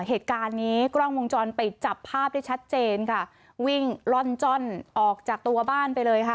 เหตุการณ์นี้กล้องวงจรปิดจับภาพได้ชัดเจนค่ะวิ่งล่อนจ้อนออกจากตัวบ้านไปเลยค่ะ